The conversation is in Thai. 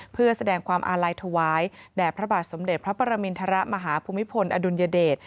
เพื่อแสดงความอาลัยถวายแด่พระบาทสมเด็จพระปรมินทรมาฮภูมิพลอดุลยเดช